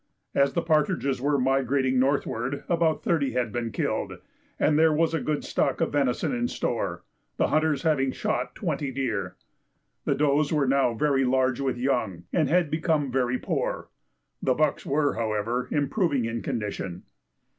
As the partridges were migrating northward about thirty had been killed, and there was a good stock of venison in store, the hunters having shot twenty deer. The does were now very large with young, and had become very poor; the bucks were, however, improving in condition.